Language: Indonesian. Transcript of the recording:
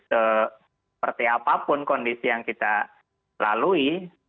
seperti apapun kondisi yang kita lalui